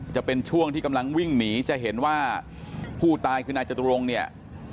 จะเป็นช่วงที่กำลังวิ่งหนีจะเห็นว่าผู้ตายคือนายจตุรงเนี่ย